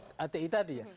hti tadi ya